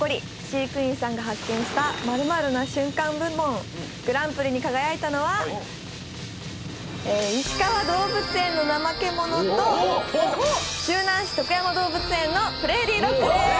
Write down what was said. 飼育員さんが発見した○○な瞬間部門グランプリに輝いたのはいしかわ動物園のナマケモノと周南市徳山動物園のプレーリードッグです